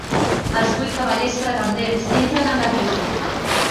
Els vuit cavallers pretendents entren amb la Beauty.